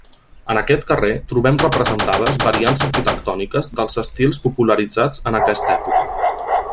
En aquest carrer trobem representades variants arquitectòniques dels estils popularitzats en aquesta època.